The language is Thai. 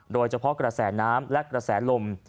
โดยเฉพาะกระแสน้ำและกระแสลม